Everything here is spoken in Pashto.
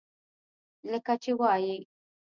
لکه چې وائي ۔